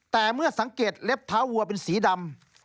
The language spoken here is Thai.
แต่เมื่อสังเกตเล็บเท้าวัวเป็นสีดำ